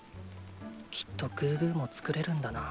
きっとグーグーも作れるんだな。